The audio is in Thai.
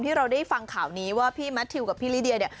เราได้ฟังข่าวนี้ว่าพี่แมททิวกับพี่ลิเดียเนี่ย